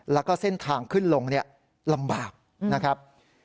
แล้วก็เส้นทางขึ้นลงลำบากนะครับ